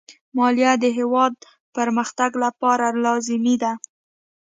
مالیه د هېواد پرمختګ لپاره لازمي ده.